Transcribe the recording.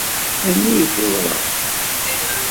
Anwa ay teẓra?